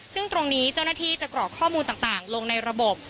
ซึ่งตรงนี้เจ้าหน้าที่จะกรอกข้อมูลต่างลงในระบบ